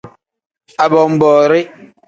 Abonboori.